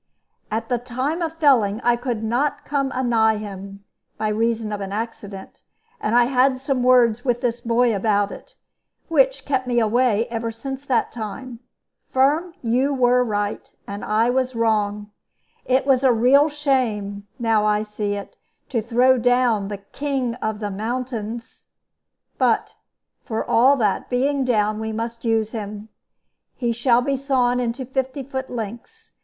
At the time of felling I could not come anigh him, by reason of an accident; and I had some words with this boy about it, which kept me away ever since that time. Firm, you were right, and I was wrong. It was a real shame, now I see it, to throw down the 'King of the Mountains.' But, for all that, being down, we must use him. He shall be sawn into fifty foot lengths.